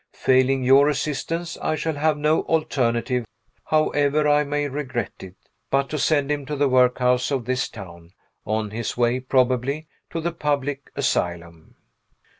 Failing your assistance, I shall have no alternative, however I may regret it, but to send him to the workhouse of this town, on his way, probably, to the public asylum.